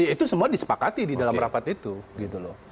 itu semua disepakati di dalam rapat itu